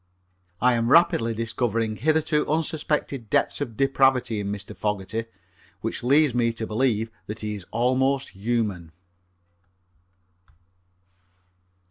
I am rapidly discovering hitherto unsuspected depths of depravity in Mr. Fogerty, which leads me to believe that he is almost human.